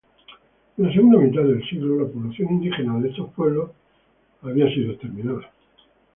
En la segunda mitad del siglo la población indígena de estos pueblos había desaparecida.